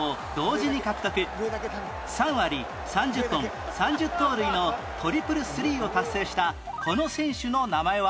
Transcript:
３割３０本３０盗塁のトリプルスリーを達成したこの選手の名前は？